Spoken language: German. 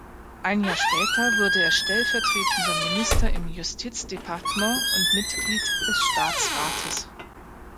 Ein Jahr später wurde er stellvertretender Minister im Justizdepartement und Mitglied des Staatsrates.